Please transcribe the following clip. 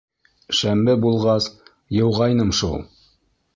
Шәмбе булғас, йыуғайным шул.